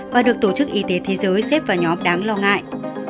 và được tổ chức y tế thế giới xếp vào nhóm đáng lo ngại